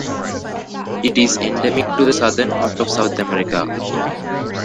It is endemic to the southern part of South America.